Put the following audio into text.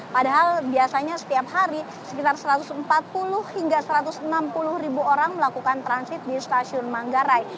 padahal biasanya setiap hari sekitar satu ratus empat puluh hingga satu ratus enam puluh ribu orang melakukan transit di stasiun manggarai